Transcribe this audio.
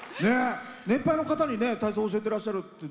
年配の方に体操を教えてらっしゃる。